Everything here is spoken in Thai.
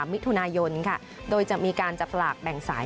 ๑๔๒๓มิถุนายนโดยจะมีการจับหลากแบ่งสาย